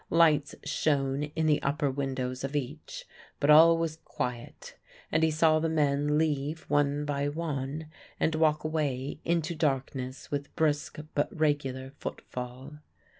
Lights shone in the upper windows of each, but all was quiet; and he saw the men leave one by one and walk away into darkness with brisk but regular footfall.